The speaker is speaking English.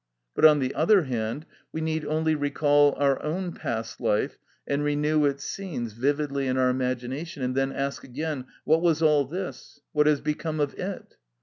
But, on the other hand, we need only recall our own past life and renew its scenes vividly in our imagination, and then ask again, What was all this? what has become of it?